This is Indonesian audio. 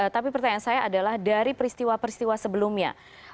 tapi pertanyaan saya adalah dari peristiwa peristiwa sebelumnya